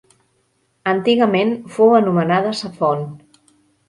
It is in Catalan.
Antigament fou anomenada Sa Font.